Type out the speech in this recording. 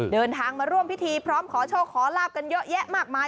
เดินทางมาร่วมพิธีพร้อมขอโชคขอลาบกันเยอะแยะมากมาย